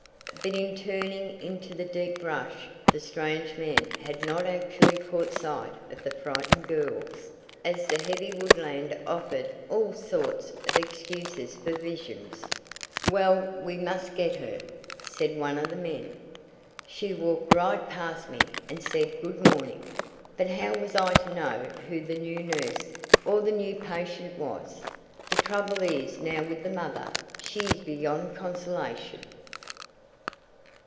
But in turning into the deep brush the strange men had not actually caught sight of the frightened girls, as the heavy woodland offered all sorts of excuses for visions. "Well, we must get her," said one of the men. "She walked right past me, and said 'good morning.' But how was I to know who the new nurse, or the new patient was? The trouble is now with the mother. She is beyond consolation."